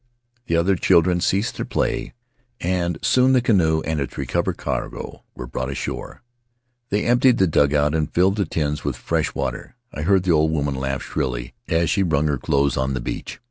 The other children ceased their play and soon the canoe and its recovered cargo were brought ashore. They emptied the dugout and filled the tins with fresh water; I heard the old woman laugh shrilly as she wrung her clothes on the beach.